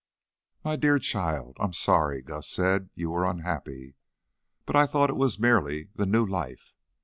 "My dear child! I'm sorry. Gus said you were unhappy, but I thought it was merely the new life.